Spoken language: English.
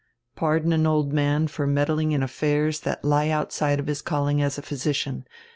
Pardon an old man for meddling in affairs that lie outside of his calling as a physician.